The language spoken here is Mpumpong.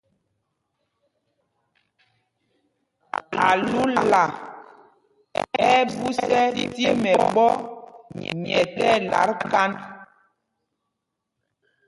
Álula ɛ́ ɛ́ ɓūs ɛ́ tí mɛɓɔ̄ nyɛ tí ɛlat kānd.